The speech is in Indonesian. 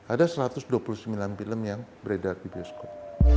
ada satu ratus dua puluh sembilan film yang beredar di bioskop